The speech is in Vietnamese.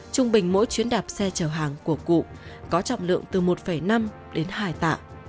trung bình mỗi chuyến đạp xe chở hàng của cụ có trọng lượng từ một năm đến hai tạ